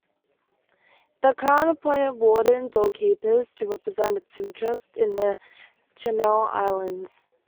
The Crown appointed Wardens or Keepers to represent its interests in the Channel Islands.